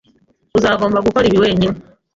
Uzagomba gukora ibi wenyine.